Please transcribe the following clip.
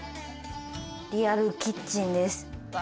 リアルキッチンです。